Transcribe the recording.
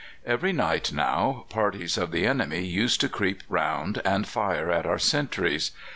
Every night now parties of the enemy used to creep round and fire at our sentries.